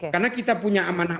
karena kita punya amanah